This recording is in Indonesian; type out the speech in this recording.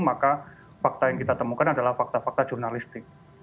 maka fakta yang kita temukan adalah fakta fakta jurnalistik